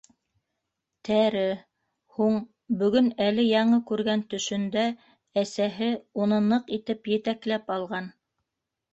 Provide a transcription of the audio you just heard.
Тәре... һуң... бөгөн әле яңы күргән төшөндә әсәһе... уны ныҡ итеп етәкләп алған.